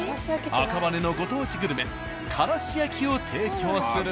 赤羽のご当地グルメからし焼きを提供する。